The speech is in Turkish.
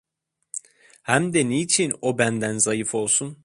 Hem de niçin o benden zayıf olsun?